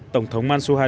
tổng thống mansour haidt